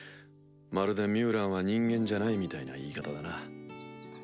まるでミュウランは人間じゃないみたいな言い方だな。